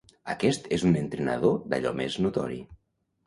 Aquest és un entrenador d'allò més notori.